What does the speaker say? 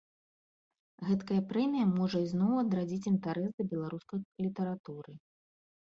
Гэткая прэмія можа ізноў адрадзіць інтарэс да беларускай літаратуры.